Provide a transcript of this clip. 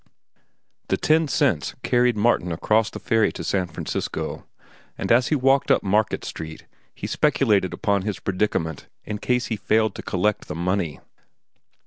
The ten cents carried Martin across the ferry to San Francisco, and as he walked up Market Street he speculated upon his predicament in case he failed to collect the money.